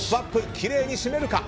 きれいに締めれるか。